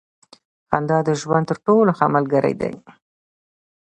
• خندا د ژوند تر ټولو ښه ملګری دی.